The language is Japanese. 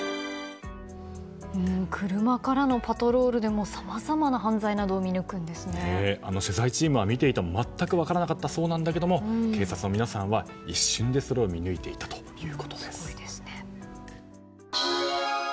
車からのパトロールでもさまざまな犯罪などを取材チームは見ていても全く分からなかったそうなんだけども警察の皆さんは一瞬でそれを見抜いていたということです。